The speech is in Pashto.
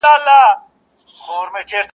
دا کيسه پوښتنه پرېږدي تل تل,